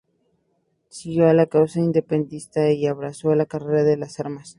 Siguió la causa independentista y abrazó la carrera de las armas.